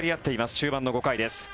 中盤の５回です。